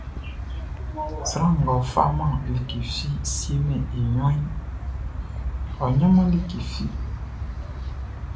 Sran ngʼɔ faman like fi siemɛn i ɲrunʼn, ɔ ɲanman like fi.